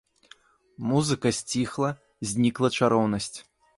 Музыка сціхла, знікла чароўнасць.